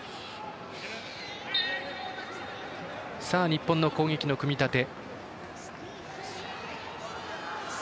日本の攻撃の組み立て。